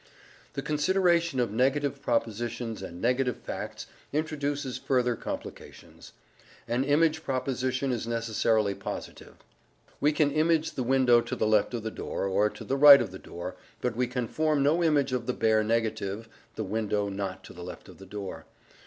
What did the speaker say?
The consideration of negative propositions and negative facts introduces further complications. An image proposition is necessarily positive: we can image the window to the left of the door, or to the right of the door, but we can form no image of the bare negative "the window not to the left of the door."